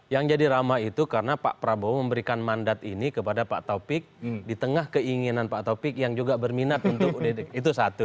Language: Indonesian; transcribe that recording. yang jadi ramai itu karena pak prabowo memberikan mandat ini kepada pak taufik di tengah keinginan pak topik yang juga berminat untuk itu satu